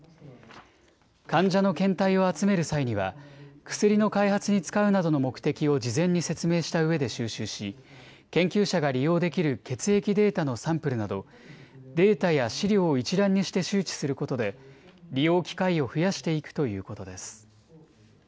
患者の検体を集める際には薬の開発に使うなどの目的を事前に説明したうえで収集し研究者が利用できる血液データのサンプルなどデータや試料を一覧にして周知することで利用機会を増やしていくということです。